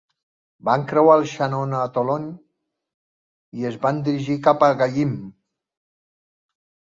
Van creuar el Shannon a Athlone i es van dirigir cap a Gallimhe.